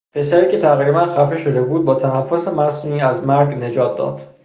پسری را که تقریباخفه شده بود با تنفس مصنوعی از مرگ نجات داد.